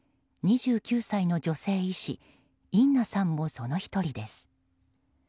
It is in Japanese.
２９歳の女性医師インナさんも、その１人です。